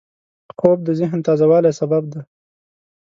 خوب د ذهن تازه والي سبب دی